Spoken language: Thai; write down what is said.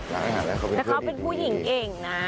แล้วเขาเป็นผู้หญิงเก่งนะ